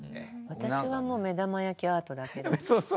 私はもう目玉焼きアートだけです。